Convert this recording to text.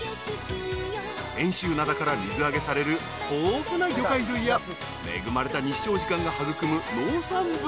［遠州灘から水揚げされる豊富な魚介類や恵まれた日照時間が育む農産物］